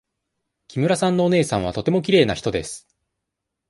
木村さんのお姉さんはとてもきれいな人です。